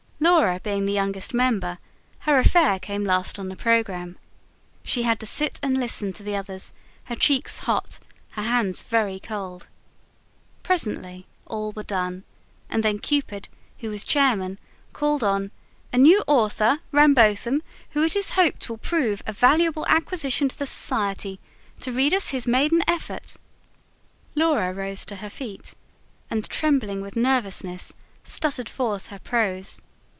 Laura being the youngest member, her affair came last on the programme: she had to sit and listen to the others, her cheeks hot, her hands very cold. Presently all were done, and then Cupid, who was chairman, called on "a new author, Rambotham, who it is hoped will prove a valuable acquisition to the Society, to read us his maiden effort". Laura rose to her feet and, trembling with nervousness, stuttered forth her prose.